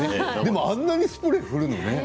あんなにスプレーを振るのね。